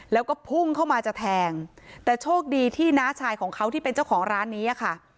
แล้วก็พุ่งเข้ามาจะแทงแต่โชคดีที่น้าชายของเขาที่เป็นเจ้าของร้านนี้ค่ะ